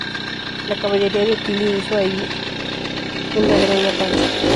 La caballería de Tilly hizo allí una gran matanza.